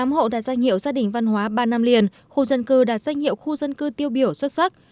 tám hộ đạt danh hiệu gia đình văn hóa ba năm liền khu dân cư đạt danh hiệu khu dân cư tiêu biểu xuất sắc